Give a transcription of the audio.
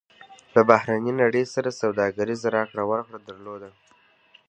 له بهرنۍ نړۍ سره سوداګریزه راکړه ورکړه درلوده.